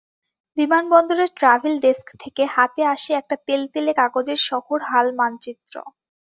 বিমানবন্দরের travel desk থেকে হাতে আসে একটা তেলতেলে কাগজের শহর হাল-মানচিত্র।